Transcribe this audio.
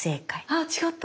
あ違った。